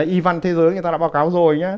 y văn thế giới người ta đã báo cáo rồi nhé